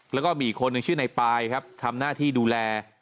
แล้วก็มีอีกคนนึงชื่อในปายครับทำหน้าที่ดูแล